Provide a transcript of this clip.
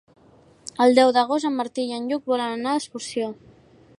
El deu d'agost en Martí i en Lluc volen anar d'excursió.